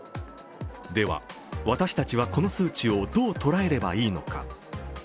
では、私たちはこの数値をどう捉えればいいのか。